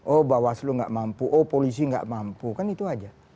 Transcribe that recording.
oh bawaslu nggak mampu oh polisi nggak mampu kan itu aja